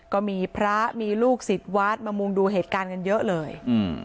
ก็มีพระมีลูกศิษย์วัดมามุงดูเหตุการณ์กันเยอะเลยอืม